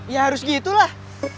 ya harus gitu lah